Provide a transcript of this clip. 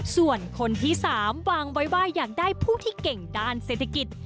ส่วนคนที่๓วางไว้ว่าอยากได้ผู้ที่เก่งด้านเศรษฐกิจ